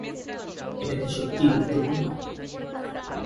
এটা কি সত্যিই গুরুত্বপূর্ণ?